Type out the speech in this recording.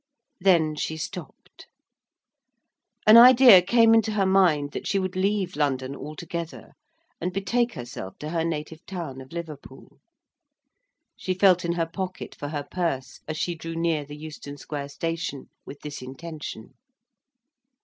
Then she stopped. An idea came into her mind that she would leave London altogether, and betake herself to her native town of Liverpool. She felt in her pocket for her purse, as she drew near the Euston Square station with this intention.